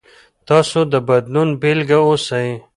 تاسو د بدلون بیلګه اوسئ.